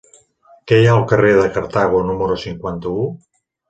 Què hi ha al carrer de Cartago número cinquanta-u?